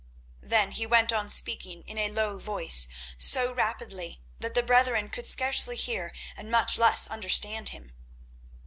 Then he went on speaking in a low voice, so rapidly that the brethren could scarcely hear and much less understand him.